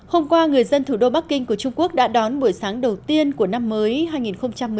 hôm qua người dân thủ đô bắc kinh của trung quốc đã đón buổi sáng đầu tiên của năm mới hai nghìn một mươi chín